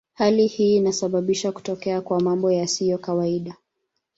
Hali hii inasababisha kutokea kwa mambo yasiyo kawaida.